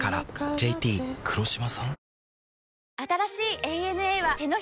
ＪＴ黒島さん？